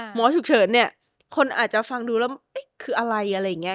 หมอฉุกเฉินเนี่ยคนอาจจะฟังดูแล้วคืออะไรอะไรอย่างนี้